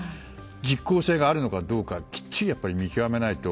実効性があるのかどうかきっちり見極めないと